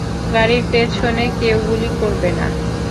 গাড়ির পেছনে কেউ গুলি করবে না।